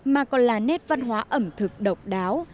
mà còn là nét văn hóa ẩm thực độc đáo